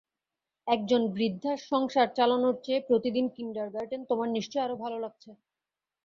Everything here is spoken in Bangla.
একজন বৃদ্ধার সংসার চালানর চেয়ে প্রতিদিন কিণ্ডারগার্টেন তোমার নিশ্চই আরও ভাল লাগছে।